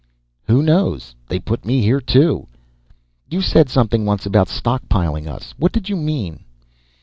"Who knows? They put me here, too." "You said something once, about stockpiling us. What did you mean?"